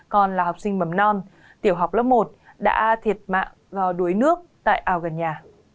còn là học sinh mầm non tiểu học lớp một đã thiệt mạng vào đuối nước tại ao gần nhà